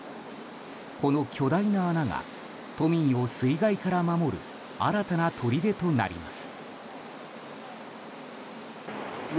この巨大な穴が都民を水害から守る新たなとりでとなります。